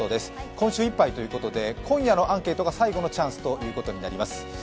今週いっぱいということで今夜のアンケートが最後のチャンスということになります。